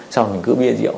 xong rồi mình cứ bia rượu